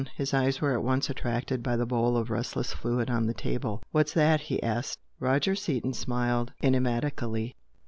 His eyes were at once attracted by the bowl of restless fluid on the table. "What's that?" he asked. Roger Seaton smiled enigmatically.